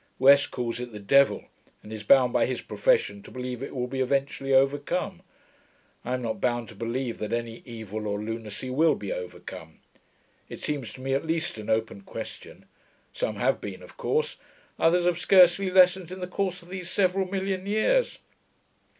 West calls it the devil, and is bound by his profession to believe it will be eventually overcome. I'm not bound to believe that any evil or lunacy will be overcome; it seems to me at least an open question. Some have been, of course; others have scarcely lessened in the course of these several million years.